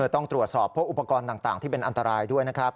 ต้องตรวจสอบพวกอุปกรณ์ต่างที่เป็นอันตรายด้วยนะครับ